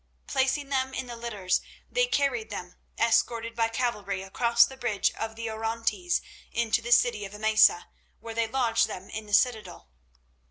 Placing them in the litters, they carried them, escorted by cavalry, across the bridge of the Orontes into the city of Emesa, where they lodged them in the citadel.